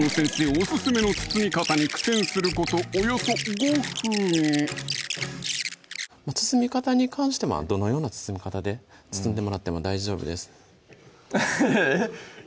オススメの包み方に苦戦することおよそ５分包み方に関してはどのような包み方で包んでもらっても大丈夫ですえっ？